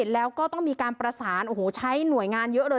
แล้วก็ต้องมีการประสานโอ้โหใช้หน่วยงานเยอะเลย